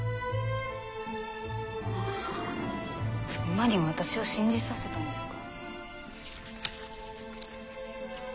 馬に私を信じさせたんですか？